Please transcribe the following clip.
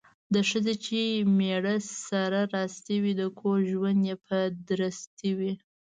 د ښځې چې میړه سره راستي وي، د کور ژوند یې په درستي وي.